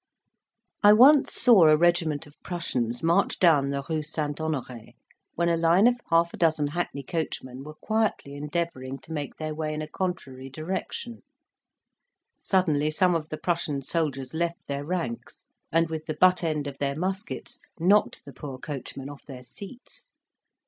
I once saw a regiment of Prussians march down the Rue St. Honore when a line of half a dozen hackney coachmen were quietly endeavouring to make their way in a contrary direction; suddenly some of the Prussian soldiers left their ranks, and with the butt end of their muskets knocked the poor coachmen off their seats.